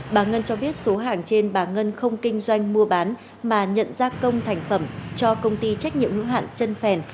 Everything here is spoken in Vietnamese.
bà ngân cho biết số hàng trên bà ngân không kinh doanh mua bán mà nhận gia công thành phẩm cho công ty trách nhiệm hữu hạn trân phèn